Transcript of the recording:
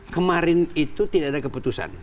kemarin itu tidak ada keputusan